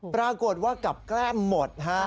ปรากฏว่ากับแกล้มหมดฮะ